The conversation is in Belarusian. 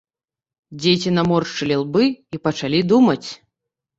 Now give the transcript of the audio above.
Дзеці наморшчылі лбы і пачалі думаць.